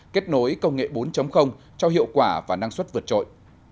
kết nối công nghệ bốn cho hiệu quả và năng suất vượt trội